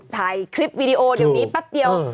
ถ่ายคลิปวิดีโอเดี๋ยวนี้แป๊บเดียว